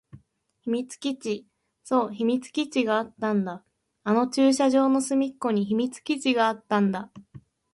秘密基地。そう、秘密基地があったんだ。あの駐車場の隅っこに秘密基地があったんだ。